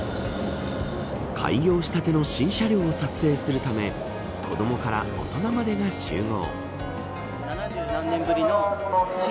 開業したての新車両を撮影するため子どもから大人までが集合。